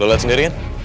tuh lu lihat sendiri kan